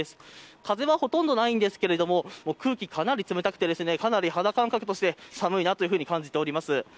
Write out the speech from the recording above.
風はほとんどないんですけど空気、かなり冷たくて肌感覚として寒いなと感じています。